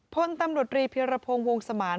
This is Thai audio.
พลตำรวจรีพิรพงศ์วงสมาน